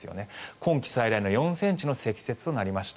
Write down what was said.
今季最大の４ｃｍの積雪となりました。